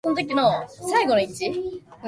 子守唄の心地よさ